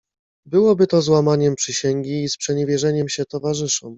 "Byłoby to złamaniem przysięgi i sprzeniewierzeniem się towarzyszom."